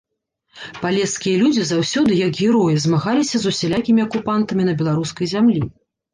Палескія людзі заўсёды, як героі, змагаліся з усялякімі акупантамі на беларускай зямлі.